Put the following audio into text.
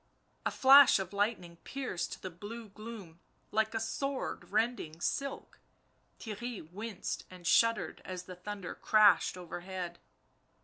A flash of lightning pierced the blue gloom like a sword rending silk; Theirry winced and shuddered as the thunder crashed overhead.